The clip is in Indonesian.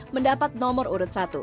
mendapat nomor urut satu